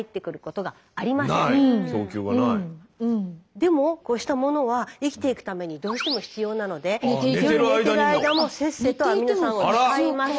でもこうしたものは生きていくためにどうしても必要なので夜寝ている間もせっせとアミノ酸を使います。